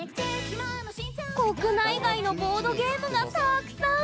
国内外のボードゲームがたくさん！